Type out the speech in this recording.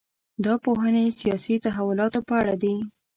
دا پوهنې سیاسي تحولاتو په اړه دي.